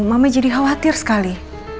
mama jadi khawatir sekali